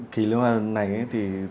kỳ liên hoan này thì